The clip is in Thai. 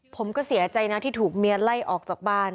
ผมก็เสียใจนะที่ถูกเมียไล่ออกจากบ้าน